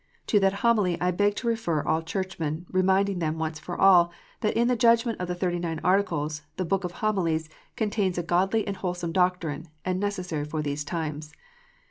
To that Homily I beg to refer all Church men, reminding them once for all, that in the judgment of the Thirty nine Articles, the Book of Homilies " contains a godly and wholesome doctrine, and necessary for these times."